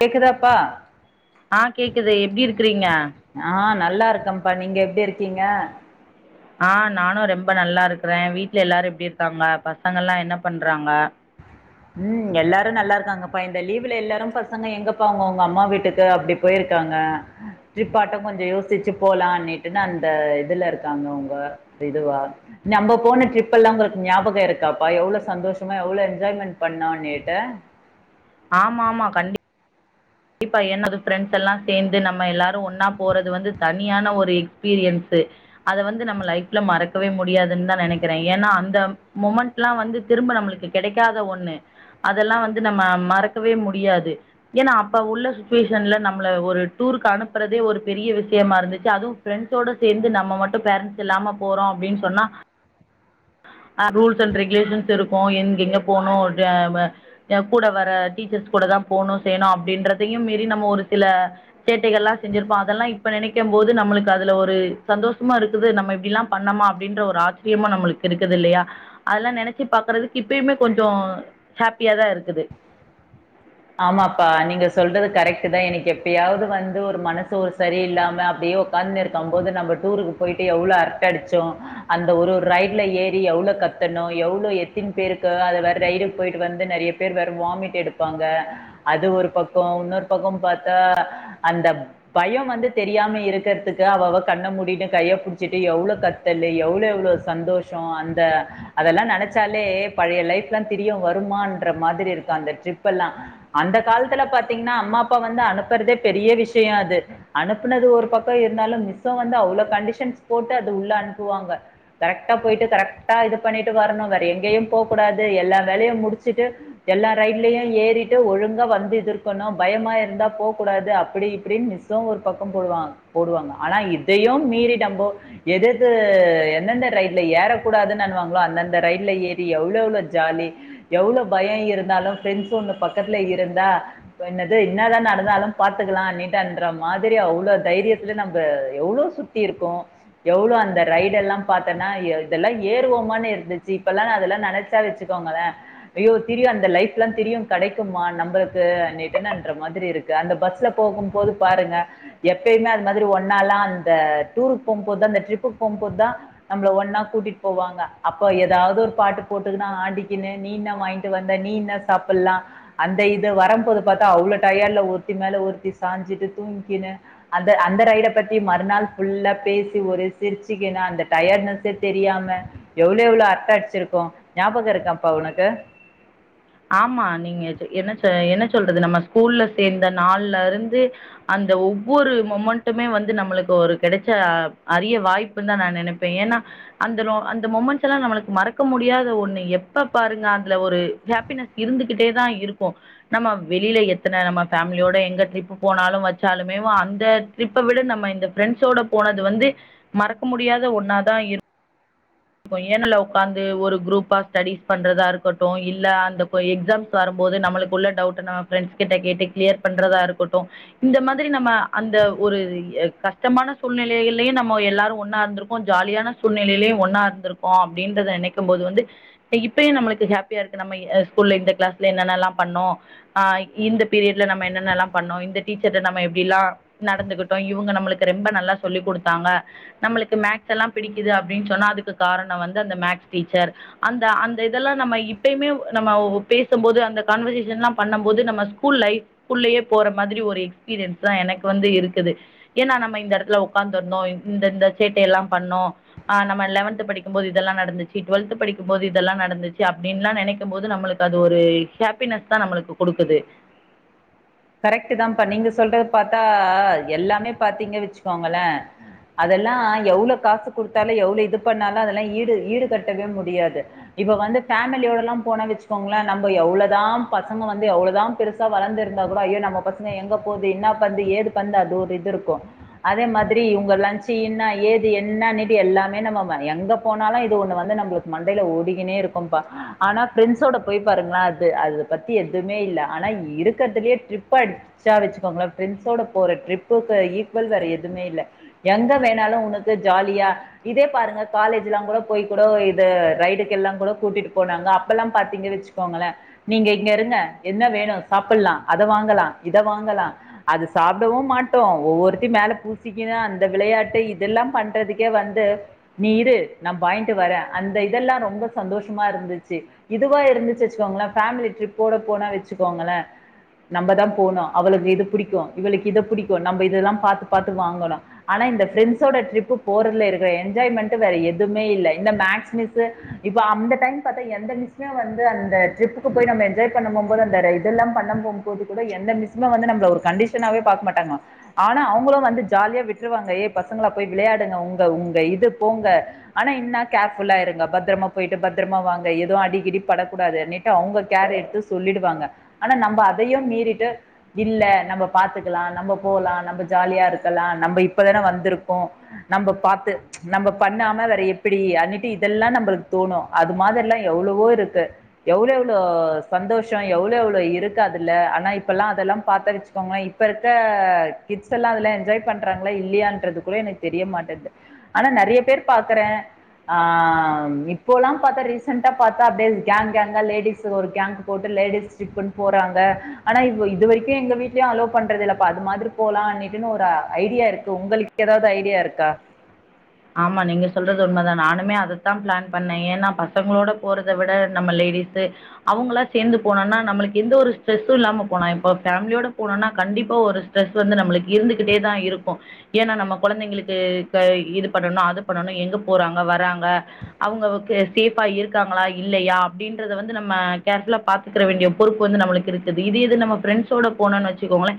கேக்குதாப்பா ஆ கேக்குது எப்டி இருக்குறீங்க ஆ நல்லா இருக்கேன்ப்பா நீங்க எப்டி இருக்கீங்க ஆ நானு ரெம்ப நல்லா இருக்றே வீட்டுல எல்லாரு எப்டி இருக்காங்க பசங்கலா என்ன பண்றாங்க ம் எல்லாரு நல்லா இருக்காங்கப்பா இந்த லீவுல எல்லாரும் பசங்க எங்கப்பா அவுங்க அவுங்க அம்மா வீட்டுக்கு அப்டி போயிருக்காங்க ட்ரிப்பாட்டம் கொஞ்ச யோசிச்சு போலானிட்டு அந்த இதுல இருக்காங்க அவுங்க இதுவா நம்ப போன ட்ரிப்பெல்லா உங்களுக் நியாபகம் இருக்காப்பா எவ்ளோ சந்தோஷமா எவ்ளோ என்ஜாய்மெண்ட் பன்னோனீட்டு ஆமா ஆமா கண்டி கண்டிப்பா ஏனா அது ஃப்ரெண்ட்ஸ்ஸெல்லா சேந்து நம்ம எல்லாரு ஒன்னா போறது வந்து தனியான ஒரு எக்ஸ்ஃபீரியன்ஸு அத வந்து நம்ம லைஃப்ல மறக்கவே முடியாதுன்தா நெனக்கிறே ஏன்னா அந்த முமெண்ட்லா வந்து திரும்ப நம்ளுக்கு கெடைக்காத ஒன்னு அதெல்லா வந்து நம்ம மறக்கவே முடியாது ஏன்னா அப்ப உள்ள சுச்சுவேஷன்ல நம்மள ஒரு டூருக்கு அனுப்புறதே ஒரு பெரிய விஷயமா இருந்துச்சு அதுவு ஃப்ரெண்ஸோட சேந்து நம்ம மட்டு பேரன்ட்ஸ் இல்லாம போறோ அப்டின் சொன்னா அ ரூல்ஸ் அண்ட் ரெகுலேஷன்ஸ் இருக்கூ எங் எங்க போனு டெ வெ எக்கூட வேற டீச்சர்ஸ் கூடதா போனூ செய்ணூ அப்படின்றதையும் மீறி நம்ம ஒரு சில சேட்டைகள்லா செஞ்சிருப்போ அதெல்லா இப்ப நெனைக்கம் போது நம்மளுக்கு அதுல ஒரு சந்தோஷமு இருக்குது நம்ம இப்டி லா பண்ணமா அப்படின்ற ஒரு ஆச்சரியமா நம்மளுக் குருக்குது இல்லையா, அதெல்லா நெனச்சு பாக்கறதுக்கு இப்பயுமே கொஞ்சொ ஹாப்பியாதா இருக்குது. ஆமாப்பா நீங்க சொல்றது கரெக்ட்தா எனக் எப்பயாவது வந்து ஒரு மனசு ஒரு சரி இல்லாம அப்டியே உக்காந்திருக்கம் போது நம்ப டூருக்கு போயிட்டு எவ்ளோ அரட்ட அடிச்சோம் அந்த ஒரு ஒரு ரைடுல ஏறி எவ்ளோ கத்துணோ எவ்ளோ எத்தின் பேருக்கு அத வேற ரைடு போயிட்டு வந்து நெறய பேர் வேற வாமிட் எடுப்பாங்க. அது ஒரு பக்கொ உன்னோரு பக்கம் பாத்தா அந்த பயம் வந்து தெரியாம இருக்கிறதுக்கு அவ அவ கண்ண மூடிட்டு கைய புடிச்சுட்டு எவ்ளோ கத்தல்லு எவ்ளொ எவ்ளோ சந்தோஷொ அந்த அதெல்லா நெனச்சாலே பழைய லைஃப்ல்லா திரியு வருமான்ற மாதிரி இருக்கு அந்த ட்ரிப்பெல்லா அந்த காலத்துல பாத்தீங்கன்னா அம்மா அப்பா வந்து அனுப்புறதே பெரிய விஷய அது அனுப்புனது ஒரு பக்கொ இருந்தாலு மிஸ்ஸு வந்து அவ்வளோ கண்டிஷன்ஸ் போட்டு அது உள்ள அனுப்புவாங்க கரெக்டா போயிட்டு கரெக்டா இது பண்ணிட்டு வரணு வேற எங்கேயு போக்கூடாது எல்லா வேலையு முடிச்சுட்டு எல்லா ரைடுலயு ஏறி ஒழுங்கா வந்துட்டு இருக்கணு பயமா இருந்தா போகக்கூடாது அப்படி இப்படின்னு மிஸ்ஸு ஒரு பக்கம் போடுவா போடுவாங்க ஆனா இதையும் மீறி நம்ப எதெது எந்தெந்த ரைட்ல ஏறக்கூடாதுனுவாங்களோ அந்தந்த ரைட்ல ஏறி எவ்ளெவ்ளோ ஜாலி எவ்ளவு பயம் இருந்தாலு ஃப்ரண்ஸ் பக்கத்துல இருந்தா என்னது என்னாதா நடந்தாலும் பாத்துக்கலான் நீட்டான்ற மாதிரி அவ்ளோ தைரியத்துல நம்ம எவ்ளோ சுத்தி இருக்கோம் எவ்ளோ அந்த ரைடுலா பாத்தன்னா இதெல்லா ஏறுவோமானு இருந்துச்சு இப்பல்லா அதெல்லா நனைச்சா வச்சுக்கோங்களே ஐயோ திரியும் அந்த லைஃப் எல்லா திரியு கடைக்குமா நம்மளுக்கு னுட்டுன்ற மாதிரி இருக்கு அந்த பஸ்ல போகும்போது பாருங்க எப்பயுமே அது மாதிரி ஒன்னாலா அந்த டூர் போகும்போது அந்த ட்ரிபுக்கு போகும்போதுதா நம்ல ஒன்னா கூட்டிட்டு போவாங்க அப்ப ஏதாவது ஒரு பாட்டு போட்டுன்னா ஆடீகீனு நீதா வாங்கிட்டு வந்த நீதா சாப்ட அப்புல்லா அந்த இது வரம்போது பாத்தா அவ்ள டயட்ல ஒருத்தி மேல ஒருத்தி சாஞ்சிட்டு தூங்கிக்னு அந்த அந்த ரைட பத்தி மறுநாள் ஃபுல்லா பேசி ஒரு சிரிச்சுக்கினு அந்த டயட்னஸே தெரியாம எவ்ளோ எவ்ளோ அரட்ட அடிச்சிருக்கோ ஞாபக இருக்காப்பா உனக்கு ஆமா நீங்க என்ன ச என்ன சொல்றது நம்ம ஸ்கூல்ல சேர்ந்த நாள்ல இருந்து அந்த ஒவ்வொரு மொமண்ட்டுமே வந்து நம்மளுக்கு ஒரு கெடைச்ச அரிய வாய்ப்புன் தா நா நினப்பேன் ஏன்னா அந்தோ அந்த மொமெண்ட்ஸ்லா நம்மளுக்கு மறக்க முடியாத ஒண்ணு எப்ப பாருங்க அதுல ஒரு ஹே ப்பின்னஸ் இருந்துகிட்டே தா இருக்கு நம்ம வெளில எத்தன நம்ம ஃபேமிலியோட எங்க ட்ரிப் போனாலும் வச்சாலுமே அந்த ட்ரிப்ப விட நம்ம இந்த ஃப்ரெண்ட்ஸோட போனது வந்து மறக்க முடியாத ஒன்னாதா இரு ஏனல உக்காந்து ஒரு குரூப்பா ஸ்டடிஸ் பண்றதா இருக்கட்டு இல்ல அந்த எக்ஸாம்ஸ் வரும்போது நம்மளுக்கு உள்ள டவுட்னா ப்ரெண்ஸ் கிட்ட கேட்டு கிளியர் பண்றதா இருக்கட்டு இந்த மாதிரி நம்ம அந்த ஒரு கஷ்டமான சூழ்நிலையிலயு நம்ம எல்லாரு ஒன்னா இருந்திருக்கோ ஜாலியான சூழ்நிலையிலயு ஒன்னா இரு இருந்துருக்கோ அப்டின்றத நினைக்கும் போது வந்து இப்பய நமக்கு ஹப்பியா இருக்கு நம்ம இய ஸ்கூல்ல இந்த கிளாஸ்ல என்னல்லா பண்ணம்ஹ இந்த பீரியட்ல என்னன்னலா பண்ணம் இந்த டீச்சர்ட நம்ம எப்படில்லா நடந்துகிட்டோ இவங்க நம்புளுக்கு ரொம்ப நல்லா சொல்லிகுடுத்தாங்க நம்ளுக்கு மேக்ஸ்லா பிடிக்குது அப்டின்னு சொன்னா அதுக்கு காரணம் வந்து அந்த மேக்ஸ் டீச்சர் அந்த - அந்த இதெல்லா நம்ம இப்புமே நம்ம பேசம்போது அந்த காண்வர்சேசன்லா பண்ணம் போது நம்ம ஸ்கூல் லைஃப் குள்ளயே மாதிரி ஒரு எக்ஸ்பீரியன்ஸ்தா எனக்கு வந்து இருக்குது ஏன்னா நம்ம இந்த இடத்துல உக்காந்துருந்தோ இந்தந்த சேட்டையல்லா பண்ணோ நம த்து படிக்கும்போது இதெல்லா நடந்துச்சு டுவெல்த் படிக்கும்போது இதெல்லா நடந்துச்சு அப்படின்ல்லா நினைக்கும் போது நம்மளுக்கு அது ஒரு ஹாப்பினஸ் தா நம்மளுக்கு குடுக்குது கரெக்ட் தான்ப்பா நீங்க சொல்றது பாத்தா எல்லாமே பாத்தீங்க வச்சுக்கோங்களேன் அதெல்லா எவ்ள காசு குடுத்தாலு எவ்ளவு இது பண்ணாலும் அதெல்லா ஈடு - ஈடு கட்டவே முடியாது இப்ப வந்து ஃபேமலியோடலா போன வச்சுக்கோங்களேன் நம்ம எவ்ளதா பசங்க வந்து எவ்ளதா பெருசா வளர்ந்து கூட ஐயோ நம்ம பசங்க எங்க போது, இன்னா பன்து ஏது பன்து அது ஒரு இது இருக்கும். அதே மாதிரி இவங்க லன்ச் இன்னா ஏது என்னானினிட்டு எல்லாமே நம்ம எங்க போனாலு இது ஒன்னு வந்து நம்ளுக்கு மண்டைல ஓடிகுனே இருக்கும்பா ஆனா ப்ரென்ஸோட போய் பாருங்களே அது -அது பத்தி எதமே இல்ல ஆனா இருக் இக்கறதுலயே ட்ரிப்பா அடிச்சா வச்சுக்கோங்களே ப்ரெண்ஸ்யோட போற ட்ரிப்புக்கு ஈக்வல் வேற எதுமே இல்ல எங்க வேணாலும் உனக்கு ஜாலியா இதே பாருங்க காலேஜலா கூட போய்கூட இது ரைடுக்கு எல்லா கூட கூட்டிட்டு போனாங்க அப்பல்லா பாத்தீங்க வச்சுக்கோங்களே நீங்க இங்க இருங்க என்ன வேணு சா சாப்பிலாம் அத வாங்கலாம் இத வாங்கலாம் அது சாப்டவும் மாட்டோம் ஒவ்வொருத்தி மேல பூசிக்கவே அந்த விளையாட்டு இதெல்லா பண்றதுக்கே வந்து நீ இரு நா வாய்ன்ட்டு வரேன் அந்த இதெல்லா ரொம்ப சந்தோஷமா இருந்துச்சு இதுவா இருந்துச்சு வச்சுக்கோங்களே ஃபேமிலி ட்ரிப்போட போனா வச்சுக்கோங்களே நம்மதா போணு அவளுக்கு இது பிடிக்கும் இவளுக்கு இதை புடிக்கும் நம்ம இதெதா பாத்து பாத்து வாங்கணும் ஆனா இந்த ஃப்ரெண்ட்ஸோட ட்ரிப் போறதுல இருக்கிற என்ஜாய்மெண்ட் வேற எதுமே இல்ல இந்த மேக்ஸ் மிஸ்உ இப்ப அந்த டைம் பாத்தா எந்த மிஸ்சுமே வந்து அந்த ட்ரிப்புக்கு போய் நம்ம என்ஜாய் பண்ண போகும்போது அந்த இதெல்லா பண்ணம் போகும்போது கூட எந்த மிஸ்சுமே வந்து நம்மள ஒரு கண்டிஷனாவே பாக்க மாட்டாங்க ஆனா அவங்களும் வந்து ஜாலியா விட்டுருவாங்க ஏய் பசங்களா போய் விளையாடுங்க உங்க-உங்க இது போங்க ஆனா இன்னா கேர்ஃபுல்லா இருங்க பத்தரமா போயிட்டு பத்தரமா வாங்க எதுவும் அடிகிடி படக்கூடாதுட்டு அவங்க கேர் எடுத்து சொல்லிடுவாங்க. ஆனா நம்ம அதையு மீறிட்டு இல்ல நம்ம பாத்துக்கலா நம்ம போலா நம்ம ஜாலியா இருக்கலாம் நம்ம இப்பதானே வந்திருக்கோம் நம்ம பாத்து நம்ம ம்ச்ச பண்ணாம வேற எப்படி அண்ணிட்டு இதெல்லாம் நம்மளுக்கு தோணும் அது மாதிரல்லாம் எவ்ளவோ இருக்கு எவ்ளோ - எவ்ளோ சந்தோஷம் எவ்ளோ - எவ்ளோ ஸோ இருக்காதுல ஆனா இப்பெல்லாம் அதெல்லாம் பாத்தன் வச்சிக்கோங்களேன் இப்ப இருக்க கிட்ஸ் எல்லா அதெல்லாம் என்ஜாய் பன்றாங்களா இல்லையான்றது கூட எனக்கு தெரிய மாட்டங்குது ஆனா நிறைய பேர் பாக்குறேன் ஆஹ் இப்போல்லாம் பாத்தா ரீசென்டா பாத்தா கேங் கேங்கா லேடீஸ் ஒரு கேங் போட்டு லேடீஸ் ட்ரிப்னு போறாங்க ஆனா இ இது வரைக்கு எங்க வீட்லயும் அலோ பண்றதுல்லப்பா அது மாதிரி போலாம்னுட்டுன்னு ஒரு ஐடியா இருக்கு உங்களுக்கு ஏதாவது ஐடியா இருக்கா ஆமா நீங்க சொல்றது உண்மைதா நானுமே அதைத்தா பிளான் பண்ணே ஏன்னா பசங்களோட போறத விட நம்ம லேடிஸ் அவங்களா சேர்ந்து போனம்னா நம்மளுக்கு எந்த ஒரு ஸ்ரெஸ்ஸும் இல்லாம போனா இப்போ பேமிலியோட போனோம்னா கண்டிப்பா ஒரு ஸ்ட்ரெஸ் வந்து நம்மளுக்கு இருந்துகிட்டே தா இருக்கு ஏன்னா நம்ம குழந்தைங்களுக்கு இப்ப இது பண்ணணு அது பண்ணணு எங்க போறாங்க வராங்க அவங்க சேபா இருக்காங்களா இல்லையா அப்படீன்றத வந்து நம்ம கேர்புல்லா பார்த்துக்கற வேண்டிய பொறுப்பு வந்து நம்மளுக்கு இருக்குது இதே இது நம்ம ப்ரெண்ட்ஸ்சோட போனோனு வச்சுக்கோங்களே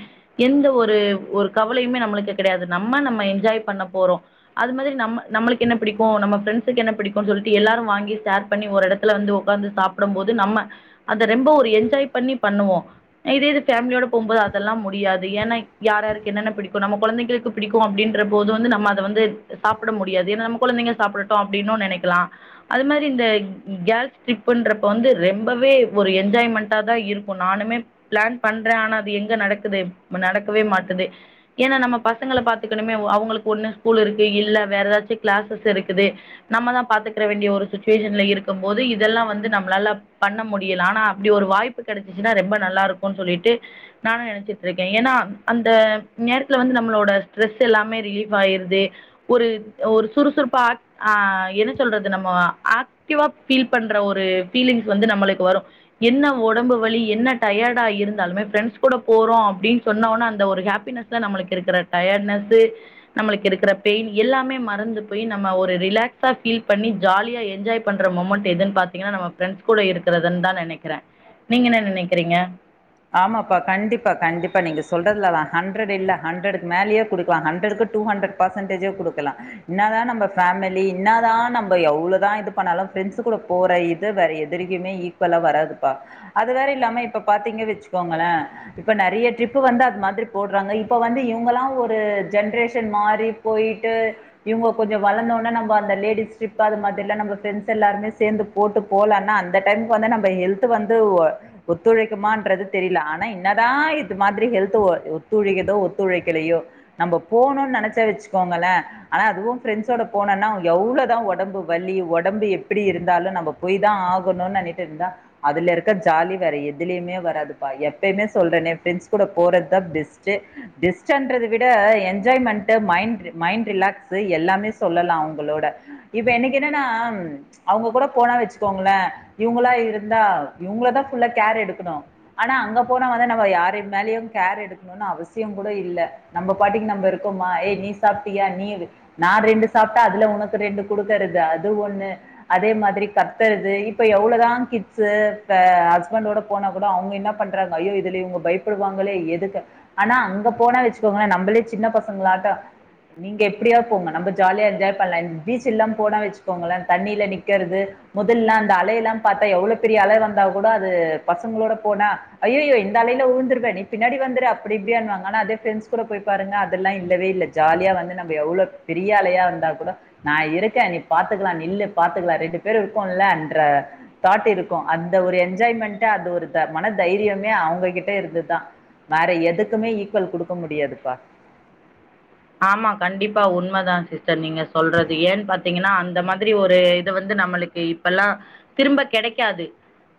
எந்த ஒரு ஒரு கவலையுமே நம்மளுக்கு கிடையாது நம்ம நம்ம என்ஜாய் பண்ண போறோ அது மாதிரி நம்ம நம்மளுக்கு என்ன பிடிக்கு நம்ம ப்ரெண்ட்ஸுக்கு என்ன பிடிக்கும் சொல்லிட்டு எல்லாரும் வாங்கி ஷேர் பண்ணி ஒரு இடத்துல வந்து உட்காந்து சாப்பிடும் போது நம்ம அதை ரொம்ப ஒரு என்ஜாய் பண்ணி பண்ணுவோ இதே இது பேமிலியோட போகும்போது அதெல்லா முடியாது ஏன்னா யார் யாருக்கு என்னென்ன பிடிக்கு நம்ம குழந்தைங்களுக்கு பிடிக்கு அப்படீன்ற போது வந்து நம்ம அதை வந்து சாப்பிட முடியாது ஏன்னா நம்ம குழந்தைங்க சாப்பிடட்டு அப்படின்னு நினைக்கலா அது மாதிரி இந்த கேஸ் ட்ரிப்புன்றப்ப வந்து ரொம்பவே ஒரு என்ஜாய்மெண்டா தான் இருக்கு நானுமே பிளான் பண்றேன் ஆனா அது எங்க நடக்குது நடக்கவே மாட்டுது ஏன்னா நம்ம பசங்களை பாத்துக்கணுமே அவங்களுக்கு ஒன்னு ஸ்கூல் இருக்கு இல்ல வேற ஏதாச்சு கிளாஸஸ் இருக்குது நம்மதா பாத்துக்கிற வேண்டிய ஒரு சிட்டுவேஷன்ல இருக்கு போது இதெல்லா வந்து நம்மளால பண்ண முடியல ஆனா அப்படி ஒரு வாய்ப்பு கிடைச்சிச்சுன்னா ரொம்ப நல்லா இருக்கு சொல்லிட்டு நானு நினைச்சிட்டு இருக்கே ஏன்னா அந்த நேரத்துல வந்து நம்மளோட ஸ்ட்ரெஸ் எல்லாமே ரிலீப் ஆயிருது ஒரு ஒரு சுறுசுறுப்பா ஆ என்ன சொல்றது நம்ம ஆக்டிவா பீல் பண்ற ஒரு பீலிங்ஸ் வந்து நம்மளுக்கு வரும் என்ன உடம்பு வலி என்ன டயர்டா இருந்தாலுமே ப்ரெண்ட்ஸ் கூட போறோ அப்படின்னு சொன்ன உடனே அந்த ஒரு ஹாப்பினஸ்ல நம்மளுக்கு இருக்கிற டயர்டனஸ்சு நம்மளுக்கு இருக்கிற பெயின் எல்லாமே மறந்து போய் நம்ம ஒரு ரிலாக்ஸா பீல் பண்ணி ஜாலியா என்ஜாய் பண்ற மூமெண்ட் எதுன்னு பாத்தீங்கன்னா நம்ம ப்ரெண்ட்ஸ் கூட இருக்குறதுன்னு தான் நினைக்கிறேன் நீங்க என்ன நினைக்குறீங்க ஆமாப்பா கண்டிப்பா கண்டிப்பா நீங்க சொல்றதுலதா ஹண்ரட் இல்ல ஹண்ரடுக்கு மேலயே குடுக்கலா. ஹண்டரக்கு டூ ஹண்ட்ரட் பர்சன்டேஜே குடுக்கலா. இன்னாதா நம்ம ஃபேமலி இன்னாதா நம்ப எவ்ளோதா இது பண்ணாலு ஃப்ரெண்ட்சு கூட போற இது வேற எதுலியுமே ஈக்குவலா வராதுப்பா அது வேற இல்லாம இப்ப பாத்தீங்க வெச் ச்சுக்கோங்களே இப்ப நெறய ட்ரிப்பு வந்து அத் மாதிரி போட்றாங்க இப்ப வந்து இவுங்களா ஒரு ஜென்ரேஷன் மாரி போயிட்டு இவுங்க கொஞ்சோ வளந்தோனே நம்ப அந்த லேடிஸ் டிரிப்பு அது மாதில்லா நம்ப ப்ரெண்ஸ் எல்லாருமே சேந்து போட்டு போலான்னா அந்த டைம்க்கு வந்து நம்ப ஹெல்த்து வந்து ஒ ஒத்துழைக்கமான்றது தெரில ஆனா இன்னதா இது மாதிரி ஹெல்து ஒ ஒத்துழகுதோ ஒத்துழைக்கலையோ நம்ப போணுன் நெனச்சா வச்சுக்கோங்களே ஆனா அதுவும் ஃப்ரெண்ட்ஸோட போனோனா எவ்ளோதா ஒடம்பு வலி ஒடம்பு எப்பிடி இருந்தாலு நம்ப போய்தா ஆகணுனு நெனிட்டிருந்தா அதுல இருக்க ஜாலி வேற எதுலியுமே வராது. எப்பேமே சொல்றனே ஃப்ரெண்ஸ் கூட போறத்தா பெஸ்ட்டு. பெஸ்டன்றத விட என்ஜாய்மெண்டு மைண்ட் மைண்ட் ரிலாக்ஸு எல்லாமே சொல்லலா அவுங்களோட இப்ப எனக்கு என்னனா அவுங்க கூட போனா வச்சுக்கோங்களே இவுங்களா இருந்தா இவுங்களதா ஃபுல்லா கேர் எடுக்கணு. ஆனா அங்க போனா வந்து நம்ம யாரு மேலயும் கேர் எடுக்கணுனு அவசியம் கூட இல்ல நம்ப பாட்டிக்கு நம்ம இருக்கோமா ஏய் நீ சாப்ட்டியா நீ நான் ரெண்டு சாப்பிட்ட அதுல உனக்கு ரெண்டு குடுக்கறது அது ஒண்ணு அதே மாதிரி கத்தறது இப்ப எவ்ளோதா கிட்ஸு அ ஹஸ்பண்டோட போனா கூட அவுங்க என்ன பன்றாங்க. ஐய்யோ இதுல இவுங்க பயப்படுவாங்களே எதுக்கு ஆனா அங்க போனா வெச்சுக்கோங்களே நம்பளே சின்ன பசங்களாட்ட நீங்க எப்டியாவ் போங்க நம்ப ஜாலியா என்ஜாய் பன்லா. பீச்சில்லாம் போனா வெச்சுக்கோங்களே தண்ணீல நிக்கறது முதல்லா அந்த அலை எல்லாம் பாத்தா எவ்ளோ பெரிய அல வந்தா கூட அது பசங்களோட போனா அய்யய்யோ இந்த அலைல ஊழ்துருவ நீ பின்னாடி வந்துரு அப்டி இப்டியன்வாங்க ஆனா அதே ஃப்ரெண்ட்ஸ் கூட போய் பாருங்க அதெல்லா இல்லவே இல்ல. ஜாலியா வந்து நம்ம எவ்ளோ பெரிய அலையா வந்தா கூட நா இருக்க நீ பாத்துக்லா நில்லு பாத்துக்லா ரெண்டு பேரூ இருக்கோல்லன்ற தாட் இருக்கு அந்த ஒரு என்ஜாய்மெண்டு அதே ஒரு மன தைரியமே அவுங்ககிட்ட இருந்துதா வேற எதுக்குமே ஈக்குவல் குடுக்க முடியாதுப்பா ஆமா கண்டிப்பா உண்மதா சிஸ்டர் நீங்க சொல்றது ஏன் பாத்தீங்கன்னா அந்த மாதிரி ஒரு இத வந்து நம்மளுக்கு இப்பல்லா திரும்ப கெடைக்காது.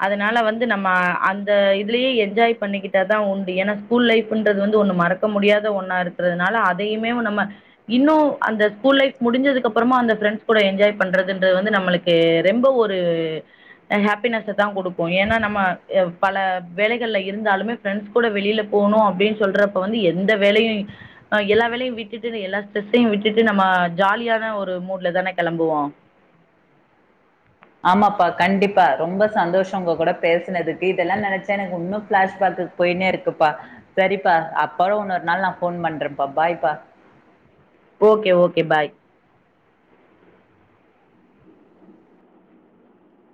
அதனால வந்து நம்ம அந்த இதுலயே என்ஜாய் பண்ணிக்கிட்டாதா உண்டு. ஏன்னா ஸ்கூல் லைஃப்ன்றது வந்து ஒன்னு மறக்க முடியாத ஒன்னா இருக்கறதுனால அத் இதையுமேவு நம்ம இன்னு அந்த ஸ்கூல் லைஃப் முடிஞ்சதுக்கு அப்புறமா அந்த ஃப்ரெண்ஸ் கூட என்ஜாய் பண்றதுன்றது வந்து நம்மளுக்கு ரெம்ப ஒரு ஹாப்பினஸ்ஸதா குடுக்கு. ஏன்னா நம்ம பல வேலைகள்ல இருந்தாலுமே ஃப்ரெண்ஸ்கூட வெளிலபோனோ அப்டின்னு சொல்றப்ப வந்து எந்த வேலையு அ எல்லா கவலையு விட்டுட்டு எல்லா ஸ்ட்ரெஸ்ஸையு விட்டுட்டு நம்ம ஜாலியான ஒரு மூட்ல தானே கெளம்புவோ. ஆமாப்பா கண்டிப்பா ரொம்ப சந்தோஷோ உங்க கூட பேசுனதுக்கு இதெல்லா நெனைச்சா எனக்கு உன்னு ஃபிளாஷ்பேக்குக் போய்னே இருக்குப்பா சரிப்பா அப்பறோ உன்னொரு நாள் நா ஃபோன் பண்றன்ப்பா பாய்பா ஓகே ஓகே பாய்